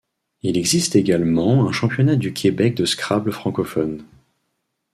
Il existe également un Championnat du Québec de Scrabble francophone.